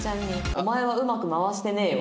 「“お前はうまく回してねえよ”」